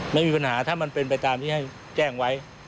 ไม่มีปัญหาถ้ามันเป็นไปตามที่ให้แจ้งไว้